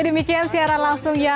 demikian siaran langsung ya